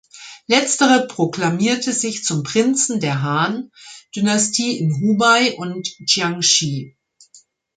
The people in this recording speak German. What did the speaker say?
Letzterer proklamierte sich zum Prinzen der "Han"-Dynastie in Hubei und Jiangxi.